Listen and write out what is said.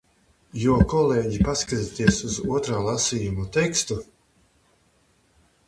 Jo, kolēģi, paskatieties uz otrā lasījuma tekstu!